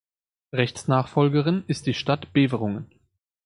Rechtsnachfolgerin ist die Stadt Beverungen.